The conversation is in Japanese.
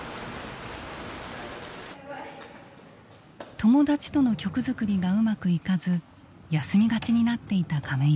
友達との曲作りがうまくいかず休みがちになっていた亀井さん。